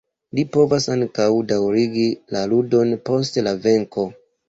Li povas ankaŭ daŭrigi la ludon post la venko.